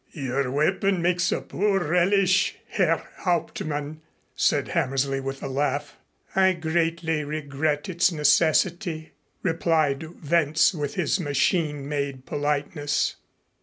"Your weapon makes a poor relish, Herr Hauptmann," said Hammersley with a laugh. "I greatly regret its necessity," replied Wentz with his machine made politeness.